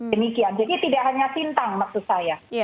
demikian jadi tidak hanya sintang maksud saya